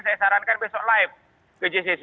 saya sarankan besok live ke jcc